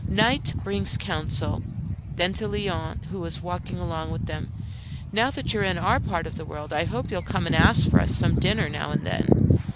Night brings counsel." Then to Léon, who was walking along with them, "Now that you are in our part of the world, I hope you'll come and ask us for some dinner now and then."